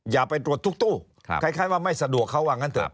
อย่าไปตรวจทุกตู้คล้ายว่าไม่สะดวกเขาว่างั้นเถอะ